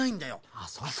あっそうか。